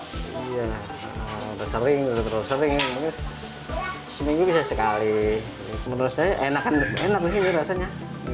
iya sering sering seminggu bisa sekali menurut saya enak enak sih rasanya